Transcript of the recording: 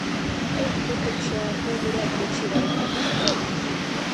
Агь, духучан! ХӀу мурадличи раъ! ГӀяхӀил кален!